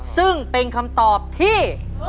ซึ่งเป็นคำตอบที่